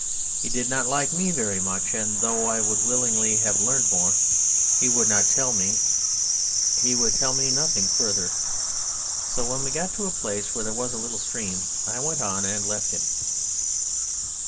He did not like me very much, and though I would willingly have learned more, he would tell me nothing further, so when we got to a place where there was a little stream I went on and left him.